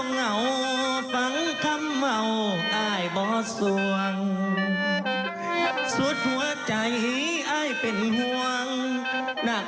อำคานะมีหักอายบ่อายซ้ำแล้วจังมัน